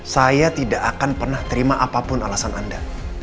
saya tidak akan pernah terima apapun alasan anda